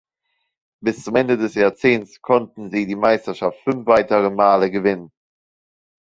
Bis zum Ende des Jahrzehnts konnten sie die Meisterschaft fünf weitere Male gewinnen.